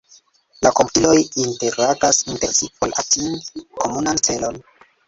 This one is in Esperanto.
La komputiloj interagas inter si por atingi komunan celon.